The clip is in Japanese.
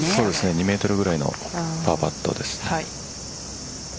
２ｍぐらいのパーパットです。